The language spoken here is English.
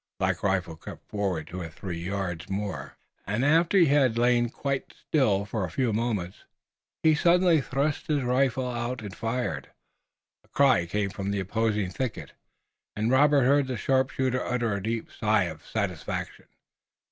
Black Rifle crept forward two or three yards more, and, after he had lain quite still for a few moments, he suddenly thrust out his rifle and fired. A cry came from the opposing thicket and Robert heard the sharpshooter utter a deep sigh of satisfaction.